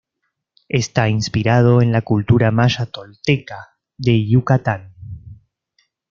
Está inspirado en la cultura maya-tolteca de Yucatán.